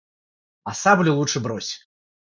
– А саблю лучше брось.